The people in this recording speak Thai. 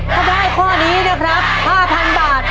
ถ้าได้ข้อนี้นะครับ๕๐๐๐บาท